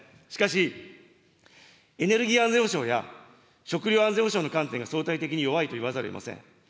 しかし、エネルギー安全保障や食料安全保障の観点が相対的に弱いと言わざるをえません。